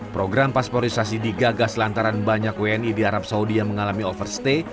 program pasporisasi digagas lantaran banyak wni di arab saudi yang mengalami overstay